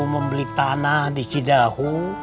membeli tanah 'di hottest